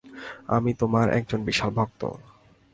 আমি তোমার একজন বিশাল ভক্ত।